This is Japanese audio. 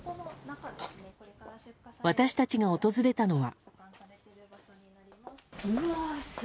私たちが訪れたのは。